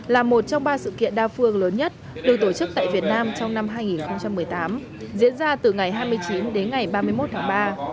là một trong ba sự kiện đa phương lớn nhất được tổ chức tại việt nam trong năm hai nghìn một mươi tám diễn ra từ ngày hai mươi chín đến ngày ba mươi một tháng ba